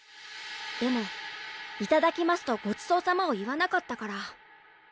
でも「いただきます」と「ごちそうさま」を言わなかったから。